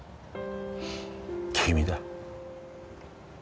君だ。